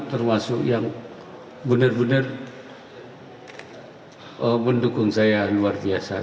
termasuk yang benar benar mendukung saya luar biasa